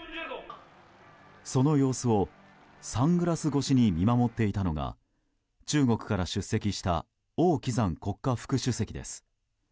その様子をサングラス越しに見守っていたのが中国から出席した王岐山国家副主席です。